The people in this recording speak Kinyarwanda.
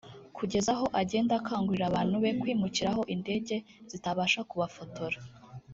kugeza aho agenda akangurira Abantu be kwimukira aho indege zitabasha kubafotora